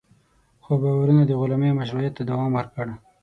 خو باورونه د غلامۍ مشروعیت ته دوام ورکړ.